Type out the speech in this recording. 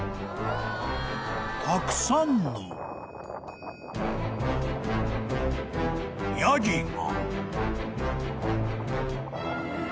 ［たくさんのヤギが］